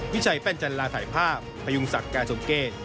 วิชัยแป้นจันลาถ่ายภาพพยุงศักดิ์การสมเกต